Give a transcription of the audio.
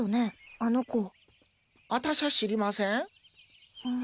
あたしゃ知りません。